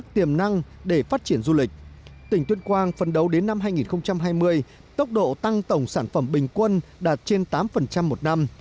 tuyên quang phân đấu đến năm hai nghìn hai mươi tốc độ tăng tổng sản phẩm bình quân đạt trên tám một năm